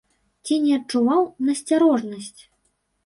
Ці не адчуваў насцярожанасць?